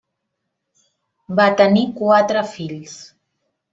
Van tenir quatre fills: